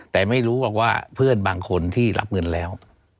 แต่ไม่รู้หรอกว่าเพื่อนบางคนที่รับเงินแล้ว